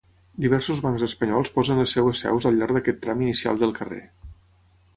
Diversos bancs espanyols posen les seves seus al llarg d'aquest tram inicial del carrer.